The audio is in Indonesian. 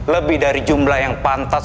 lebih dari jumlah yang pantas